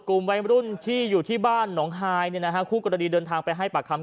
กลุ่มวัยรุ่นที่อยู่ที่บ้านหนองฮายคู่กรณีเดินทางไปให้ปากคำ